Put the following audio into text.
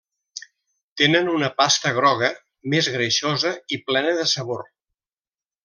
Tenen una pasta groga, més greixosa i plena de sabor.